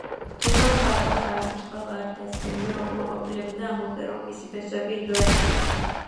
თუმცა მხატვარს არცერთხელ არ დასცდენია უკმაყოფილება და ამბობდა, რომ მისი ფესვები ინდოეთშია.